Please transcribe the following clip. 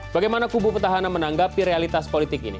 bagaimana kubu petahana menanggapi realitas politik ini